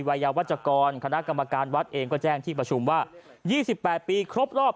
วัยยาวัชกรคณะกรรมการวัดเองก็แจ้งที่ประชุมว่า๒๘ปีครบรอบ